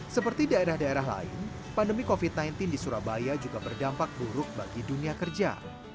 seperti daerah daerah lain pandemi covid sembilan belas di surabaya juga berdampak buruk bagi dunia kerja